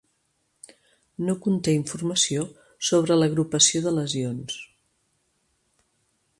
No conté informació sobre l'agrupació de lesions.